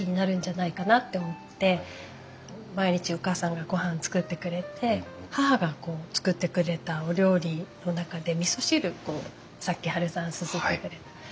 毎日お母さんがごはん作ってくれて母が作ってくれたお料理の中でみそ汁さっきハルさんすすってくれた。